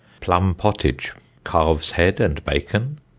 Plumm pottage. Calves' head and bacon.